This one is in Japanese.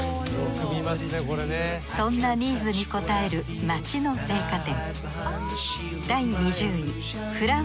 そんなニーズに応える街の生花店